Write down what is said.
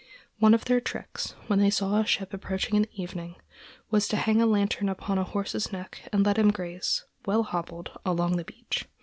One of their tricks, when they saw a ship approaching in the evening, was to hang a lantern upon a horse's neck, and let him graze, well hobbled, along the beach.